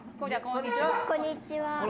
「こんにちは」